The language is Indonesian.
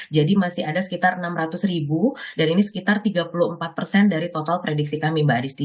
jadi masih ada sekitar enam ratus ribu dan ini sekitar tiga puluh empat dari total prediksi kami mbak adisti